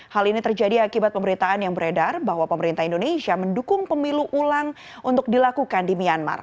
hal ini terjadi akibat pemberitaan yang beredar bahwa pemerintah indonesia mendukung pemilu ulang untuk dilakukan di myanmar